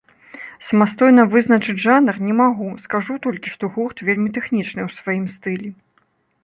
Самастойна вызначыць жанр не магу, скажу толькі, што гурт вельмі тэхнічны ў сваім стылі.